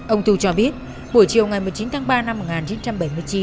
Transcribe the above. ông tu cho biết buổi chiều ngày một mươi chín tháng ba năm một nghìn chín trăm bảy mươi chín